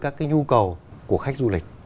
các nhu cầu của khách du lịch